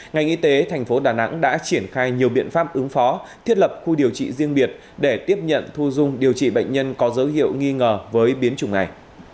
ngành y tế thành phố đà nẵng đã triển khai nhiều biện pháp ứng phó thiết lập khu điều trị riêng biệt để tiếp nhận thu dung điều trị bệnh nhân có dấu hiệu nghi ngờ với biến chủng này